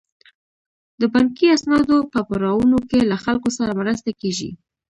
د بانکي اسنادو په پړاوونو کې له خلکو سره مرسته کیږي.